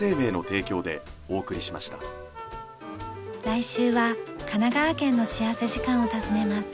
来週は神奈川県の幸福時間を訪ねます。